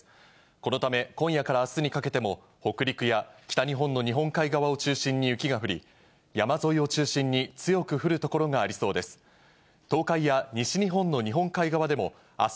このため、今夜からあすにかけても、北陸や北日本の日本海側を中心に雪が降り、山沿いを中心に強く降る所がありそうです。